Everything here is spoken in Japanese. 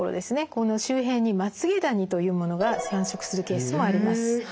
この周辺にまつげダニというものが繁殖するケースもあります。